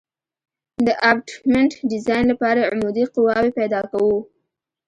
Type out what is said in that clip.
د ابټمنټ ډیزاین لپاره عمودي قواوې پیدا کوو